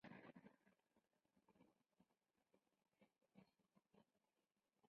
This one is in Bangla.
স্টেশন পরিচালনার সমস্ত দায়িত্ব স্টেশনের প্রধান "স্টেশন মাষ্টার"- এর উপর ন্যস্ত।